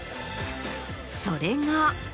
それが。